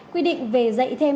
quy định về dạy thêm